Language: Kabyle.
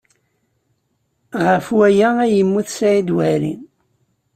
Ɣef waya ay yemmut Saɛid Waɛli.